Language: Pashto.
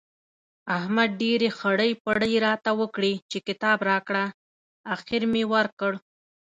احمد ډېرې خړۍ پړۍ راته وکړې چې کتاب راکړه؛ اخېر مې ورکړ.